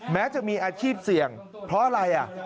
แม้จะมีอาชีพเสี่ยงเพราะอะไร